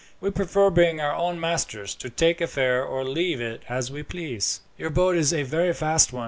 We prefer being our own masters; to take a fare or leave it as we please." "Your boat is a very fast one.